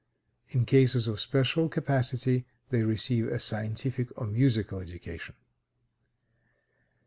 In cases of special capacity, they receive a scientific or musical education.